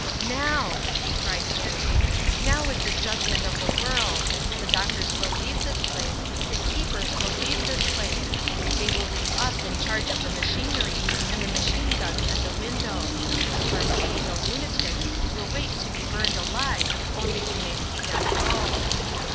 "Now," he cried, panting, "now is the judgement of the world. The doctors will leave this place; the keepers will leave this place. They will leave us in charge of the machinery and the machine guns at the windows. But we, the lunatics, will wait to be burned alive if only we may see them go."